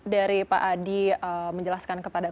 dari pak adi menjelaskan kepada